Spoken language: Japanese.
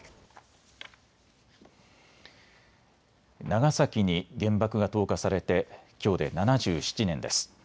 長崎に原爆が投下されてきょうで７７年です。